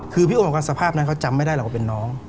คือพี่โอบอกว่าสภาพนั้นเขาจำไม่ได้หรอกว่าเป็นน้อง